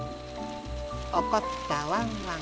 おこったワンワン